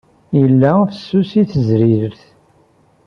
Yella fessus i tezrirt.